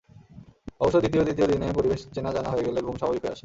অবশ্য দ্বিতীয়-তৃতীয় দিনে পরিবেশ চেনা-জানা হয়ে গেলে ঘুম স্বাভাবিক হয়ে আসে।